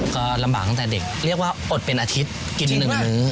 ก็ลำบากตั้งแต่เด็กเรียกว่าอดเป็นอาทิตย์กิน๑มื้อ